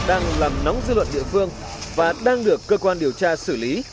đang làm nóng dư luận địa phương và đang được cơ quan điều tra xử lý